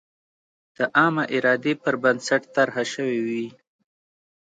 د عامه ارادې پر بنسټ طرحه شوې وي.